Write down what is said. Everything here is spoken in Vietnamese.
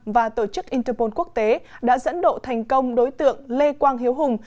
và tổ chức interpol quốc tế đã dẫn độ thành công đối tượng lê quang hiếu hùng